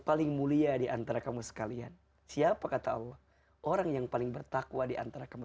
paling mulia diantara kamu sekalian siapa kata allah orang yang paling bertakwa diantara kamu